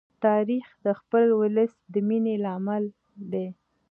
تاریخ د خپل ولس د مینې لامل دی.